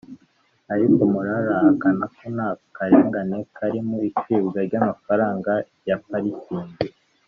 Ariko Murara ahakana ko nta karengane kari mu icibwa ry’amafaranga ya parikingi